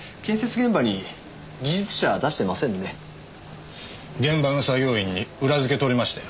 現場の作業員に裏付け取りましたよ。